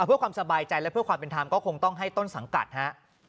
เพื่อความสบายใจและเพื่อความเป็นธรรมก็คงต้องให้ต้นสังกัดฮะ